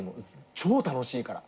超楽しいから。